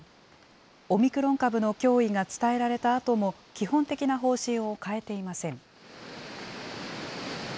オミクロン株の脅威が伝えられたあとも、基本的な方針を変えていません。